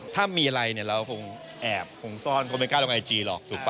ถ้ามีอะไรเนี่ยเราคงแอบคงซ่อนคงไม่กล้าลงไอจีหรอกถูกป่